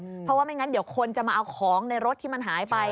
เพราะว่าไม่งั้นเดี๋ยวคนจะมาเอาของในรถที่มันหายไป